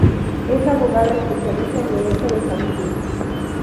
Es abogada especialista en derecho de familia.